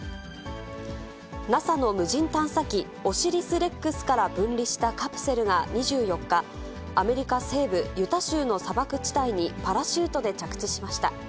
ＮＡＳＡの無人探査機、オシリス・レックスから分離したカプセルが２４日、アメリカ西部ユタ州の砂漠地帯にパラシュートで着地しました。